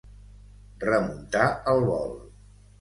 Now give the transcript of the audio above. Remuntar el vol.